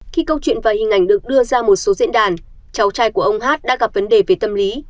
khi câu chuyện và hình ảnh được đưa ra một số diễn đàn cháu trai của ông hát đã gặp vấn đề về tâm lý